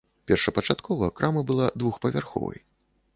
Першапачаткова крама была двухпавярховай.